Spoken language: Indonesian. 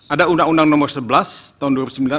ada undang undang nomor sebelas tahun